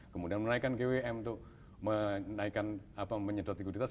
kemudian menaikkan gwm untuk menyedot likuiditas